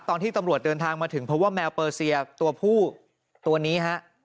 ตอนที่ตำรวจเดินทางมาถึงเพราะว่าแมวเปอร์เซียตัวผู้ตัวนี้ฮะ